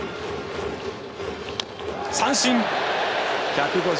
三振。